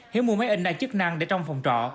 hiếu mua máy in đa chức năng để trong phòng trọ